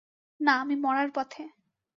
না, আমি মরার পথে।